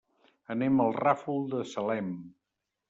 Anem al Ràfol de Salem.